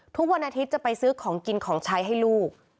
ทุกวันอาทิตย์จะไปซื้อของกินของใช้ให้ลูก